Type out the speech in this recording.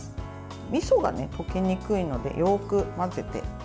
みそが溶けにくいのでよく混ぜて。